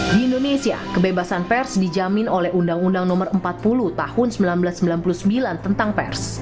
di indonesia kebebasan pers dijamin oleh undang undang no empat puluh tahun seribu sembilan ratus sembilan puluh sembilan tentang pers